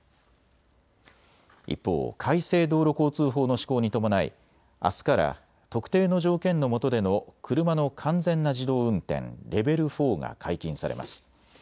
一方、改正道路交通法の施行に伴いあすから特定の条件のもとでの車の完全な自動運転レベル４が解禁されます。